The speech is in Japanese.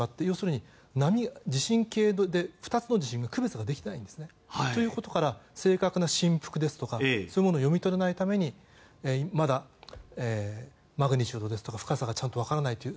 要するに、地震計で２つの地震が区別ができていないんですね。ということから正確な振幅やそういうものが読み取れないためにまだマグニチュードですとか深さがちゃんと分からない